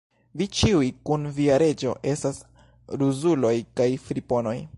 Vi ĉiuj, kun via reĝo, estas ruzuloj kaj friponoj!